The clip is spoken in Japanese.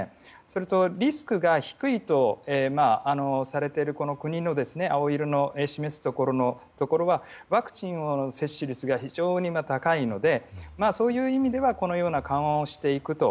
それと、リスクが低いとされている国である青色の示すところはワクチンの接種率が非常に高いのでそういう意味ではこのような緩和をしていくと。